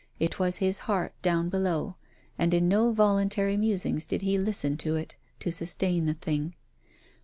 It was his heart down below, and in no voluntary musings did he listen to it, to sustain the thing.